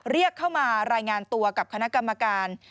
เรียกเข้ามารายงานตัวกับคณะกรรมการ